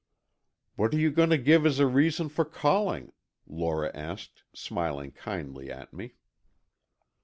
"What are you going to give as a reason for calling?" Lora asked, smiling kindly at me.